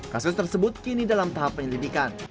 kasus tersebut kini dalam tahap penyelidikan